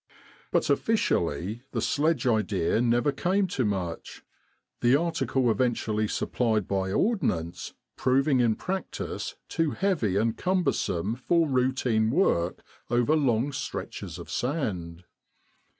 But officially the sledge idea never came to much, the article eventually supplied by Ordnance proving in practice too heavy and cumbersome for routine work over long stretches of sand.